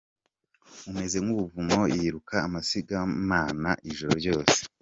umeze nk’ubuvumo, yiruka amasigamana ijoro ryose